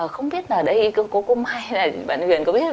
không biết là đây có cô mai hay là bạn huyền có biết không